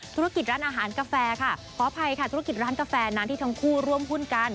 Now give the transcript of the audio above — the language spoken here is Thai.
ธุรกิจร้านอาหารกาแฟค่ะขออภัยค่ะธุรกิจร้านกาแฟนั้นที่ทั้งคู่ร่วมหุ้นกัน